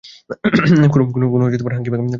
কোনো হাংকি-পাংকি নয়।